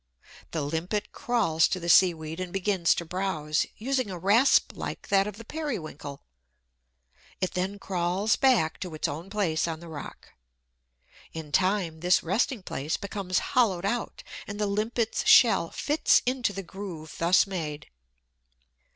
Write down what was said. The Limpet crawls to the seaweed and begins to browse, using a rasp like that of the Periwinkle. It then crawls back to its own place on the rock. In time this resting place becomes hollowed out, and the Limpet's shell fits into the groove thus made.